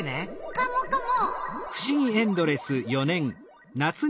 カモカモ！